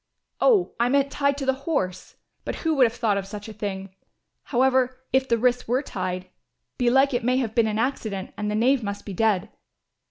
"Oh, I meant tied to the horse, but who would have thought of such a thing! However, if the wrists were tied, belike it may have been an accident and the knave must be dead.